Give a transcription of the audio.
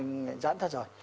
giãn ra rồi